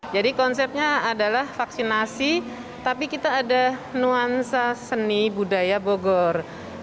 jadi konsepnya adalah vaksinasi tapi kita ada nuansa seni budaya bogor